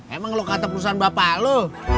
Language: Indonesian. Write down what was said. emang lo kata perusahaan bapak lo